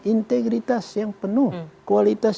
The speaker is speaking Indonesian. integritas yang penuh kualitas